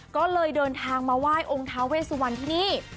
ก็เลยเดินทางมาไหว้องค์ท้าเวสวันที่นี่